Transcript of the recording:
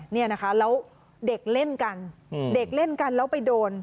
เนี่ยนะคะแล้วเด็กเล่นกันเด็กเล่นกันแล้วไปโดน